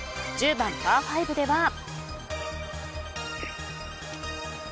１０番パー５では。